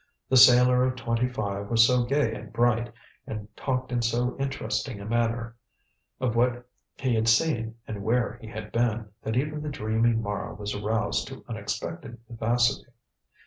The sailor of twenty five was so gay and bright, and talked in so interesting a manner of what he had seen and where he had been, that even the dreamy Mara was aroused to unexpected vivacity.